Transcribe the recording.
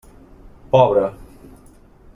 Pobre!